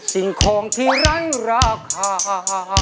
สิ่งของที่ไร้ราคา